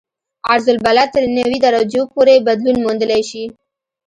عرض البلد تر نوي درجو پورې بدلون موندلی شي